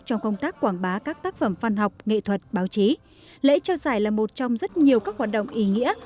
trong công tác quảng bá các tác phẩm văn học nghệ thuật báo chí lễ trao giải là một trong rất nhiều các hoạt động ý nghĩa